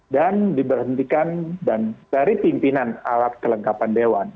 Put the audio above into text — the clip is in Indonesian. dan diberhentikan dari pimpinan alat kelengkapan dewan